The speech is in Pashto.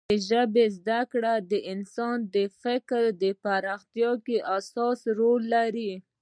د ژبې زده کړه د انسان د فکر پراختیا کې اساسي رول لري.